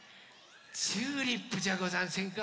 チューリップじゃござんせんか。